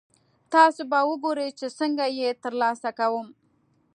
تاسې به ګورئ چې څنګه یې ترلاسه کوم.